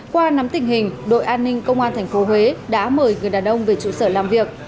qua nắm tình hình đội an ninh công an tp huế đã mời người đàn ông về trụ sở làm việc